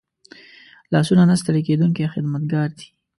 لاسونه نه ستړي کېدونکي خدمتګار دي